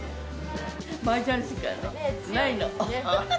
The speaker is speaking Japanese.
マージャンしかないの。